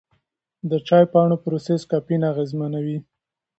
د چای پاڼو پروسس کافین اغېزمنوي.